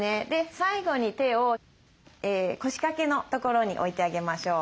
最後に手を腰掛けのところに置いてあげましょう。